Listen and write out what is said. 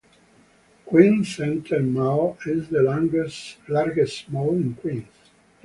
Queens Center Mall is the largest mall in Queens.